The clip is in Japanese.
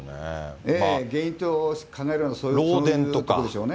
原因と考えられるのは、そういうことでしょうね。